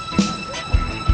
kenapa tidak bisa